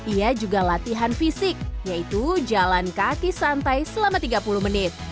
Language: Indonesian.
ia juga latihan fisik yaitu jalan kaki santai selama tiga puluh menit